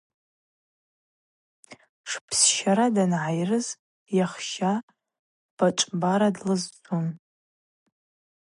Тшпсщара дангӏайрыз йахща бачӏвбара длызцун.